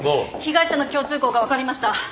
被害者の共通項が分かりました。